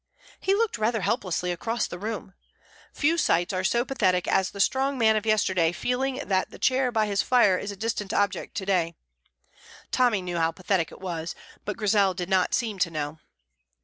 He looked rather helplessly across the room. Few sights are so pathetic as the strong man of yesterday feeling that the chair by the fire is a distant object to day. Tommy knew how pathetic it was, but Grizel did not seem to know.